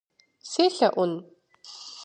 Селъэӏун?